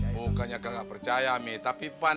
bukannya gak percaya mi tapi pan